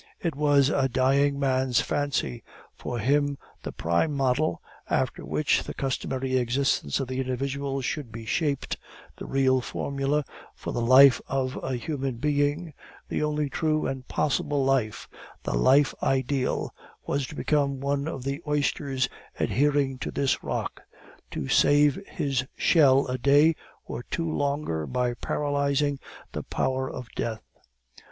It was a dying man's fancy. For him the prime model, after which the customary existence of the individual should be shaped, the real formula for the life of a human being, the only true and possible life, the life ideal, was to become one of the oysters adhering to this rock, to save his shell a day or two longer by paralyzing the power of death.